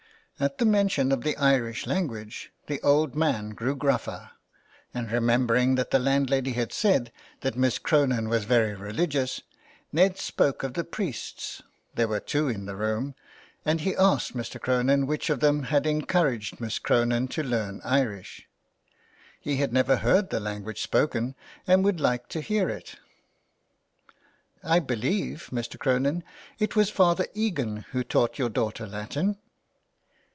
At the mention of the Irish language, the old man grew gruffer, and remember ing that the landlady had said that Miss Cronin was very religious, Ned spoke of the priests — there were 308 THE WILD GOOSE. two in the room — and he asked Mr. Cronin which of them had encouraged Miss Cronin to learn Irish. He had never heard the language spoken, and would like to hear it. '' I believe Mr. Cronin, it was Father Egan who taught your daughter Latin